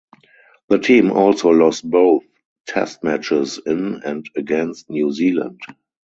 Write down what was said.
The team also lost both Test Matches in and against New Zealand.